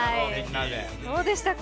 どうでしたか？